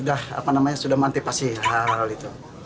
apa namanya sudah mantep pasti hal itu